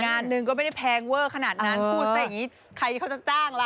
งานหนึ่งก็ไม่ได้แพงเวอร์ขนาดนั้นพูดซะอย่างนี้ใครเขาจะจ้างล่ะ